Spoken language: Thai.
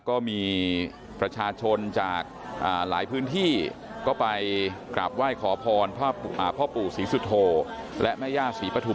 ก็มีประชาชนจากอ่าหลายพื้นที่ก็ไปกลับไหว้ขอพรพ่อปู่สิสุโธและไม่ย่าสิปฐุมานะครับ